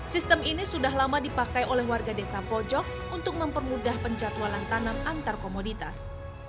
sistem ini sudah lama dipakai oleh warga desa pojok untuk mempermudah penjatualan tanam antar komoditas